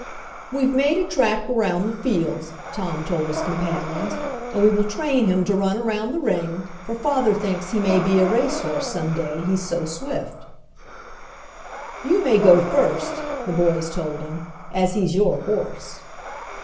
"We've made a track around the fields," Tom told his companions, "and we will train him to run around the ring, for father thinks he may be a race horse some day, he's so swift." "You may go first," the boys told him, "as he's your horse."